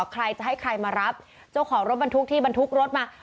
ใครจะให้ใครมารับเจ้าของรถบรรทุกที่บรรทุกรถมา